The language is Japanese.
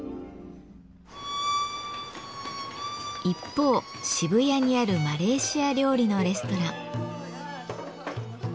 一方渋谷にあるマレーシア料理のレストラン。